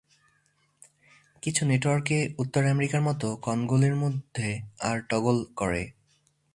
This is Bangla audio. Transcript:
কিছু নেটওয়ার্কে, উত্তর আমেরিকার মতো কলগুলির মধ্যে আর টগল করে।